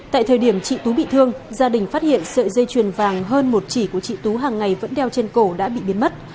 tại thời điểm chị tú bị thương gia đình phát hiện sợi dây chuyền vàng hơn một chỉ của chị tú hàng ngày vẫn đeo trên cổ đã bị biến mất